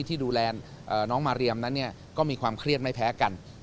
ที่ดูแลน้องมาเรียมนั้นก็มีความเครียดไม่แพ้กัน